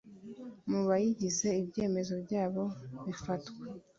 Mu bayigize ibyemezo byayo bifatwa